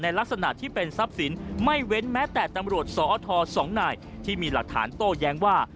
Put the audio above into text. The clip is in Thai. ลักษณะที่เป็นทรัพย์สินไม่เว้นแม้แต่ตำรวจสอท๒นายที่มีหลักฐานโต้แย้งว่า